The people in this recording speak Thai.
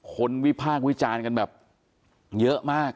วิพากษ์วิจารณ์กันแบบเยอะมาก